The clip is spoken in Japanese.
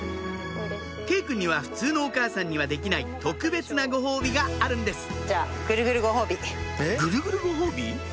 佳依くんには普通のお母さんにはできない特別なご褒美があるんですグルグルご褒美？